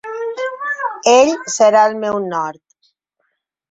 Ell serà el meu nord.